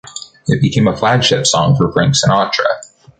It became a flagship song for Frank Sinatra.